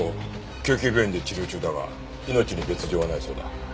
救急病院で治療中だが命に別条はないそうだ。